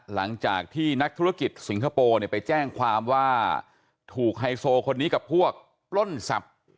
หลังจากที่นักธุรกิจสิงคโปร์เนี่ยไปแจ้งความว่าถูกไฮโซคนนี้กับพวกปล้นทรัพย์